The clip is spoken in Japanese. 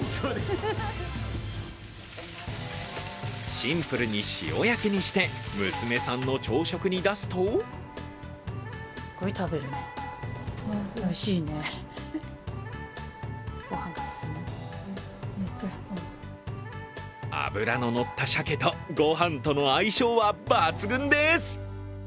シンプルに塩焼きにして娘さんの朝食に出すと脂の乗ったしゃけとご飯との相性は抜群です。